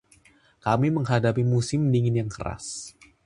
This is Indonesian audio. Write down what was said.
Kami menghadapi musim dingin yang keras.